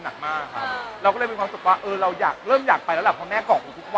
หนูเล็กเขาก็บอกว่าเขาออกไปเพราะลูก